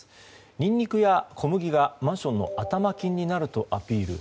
ニンニクや小麦がマンションの頭金になるとアピール。